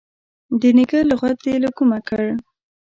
د نږه لغت دي له کومه کړ.